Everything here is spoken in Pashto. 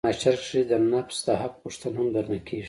په محشر کښې د نفس د حق پوښتنه هم درنه کېږي.